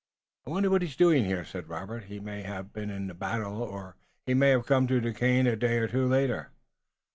"I wonder what he's doing here," said Robert. "He may have been in the battle, or he may have come to Duquesne a day or two later."